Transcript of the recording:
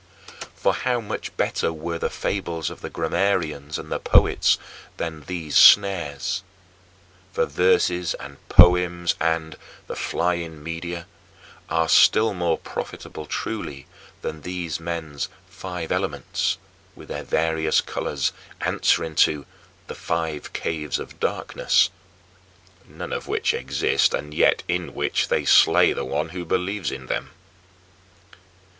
For how much better were the fables of the grammarians and poets than these snares [of the Manicheans]! For verses and poems and "the flying Medea" are still more profitable truly than these men's "five elements," with their various colors, answering to "the five caves of darkness" (none of which exist and yet in which they slay the one who believes in them).